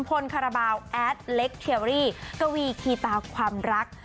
คาราบาลแอดเล็กเทียรี่กวีคีตาความรัก